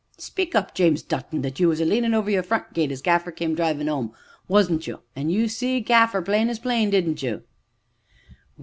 Speak up, James Dutton you was a leanin' over your front gate as Gaffer come drivin' 'ome, wasn't you, an' you see Gaffer plain as plain, didn't you?"